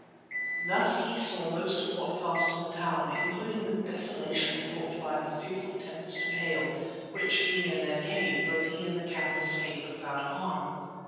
Thus he saw most of what passed in the town, including the desolation wrought by the fearful tempest of hail, which, being in their cave, both he and the camel escaped without harm.